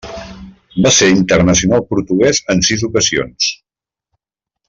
Va ser internacional portugués en sis ocasions.